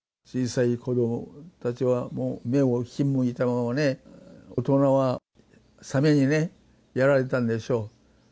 小さい子どもたちはもう目をひんむいたままね、大人はサメにね、やられたんでしょう。